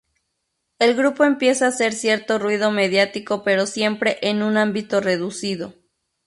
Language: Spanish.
El grupo empieza a hacer cierto ruido mediático pero siempre en un ámbito reducido.